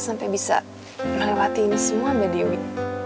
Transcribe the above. sampai bisa melewati ini semua mbak dewi